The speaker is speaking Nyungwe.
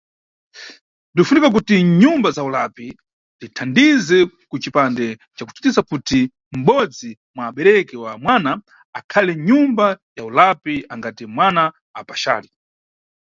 Bzinʼfunika kuti nyumba za ulapi bzithandize kucipande cakucitisa kuti mʼbodzi mwa abereki wa mwana akhale kunyumba ya ulapi angati mwana abhaxali.